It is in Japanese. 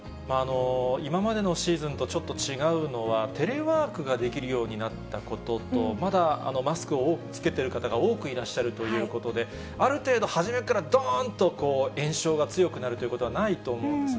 今までのシーズンとちょっと違うのは、テレワークができるようになったことと、まだマスクを多く着けてる方が、多くいらっしゃるということで、ある程度始めからどーんとこう、炎症が強くなるということはないと思うんですね。